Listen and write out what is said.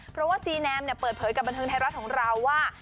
เพราะว่าซีแนมเปิดเผยกับบันเทิงไทยรัฐของเราว่า